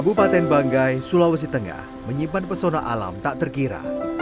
kabupaten banggai sulawesi tengah menyimpan pesona alam tak terkira